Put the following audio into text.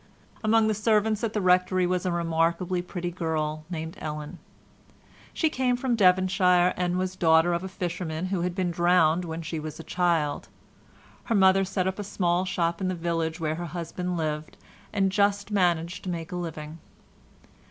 Among the servants at the Rectory was a remarkably pretty girl named Ellen. She came from Devonshire, and was the daughter of a fisherman who had been drowned when she was a child. Her mother set up a small shop in the village where her husband had lived, and just managed to make a living.